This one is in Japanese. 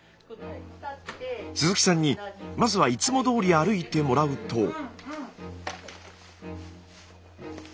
鈴木さんにまずはいつもどおり歩いてもらうと。